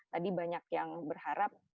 tadi banyak yang berharap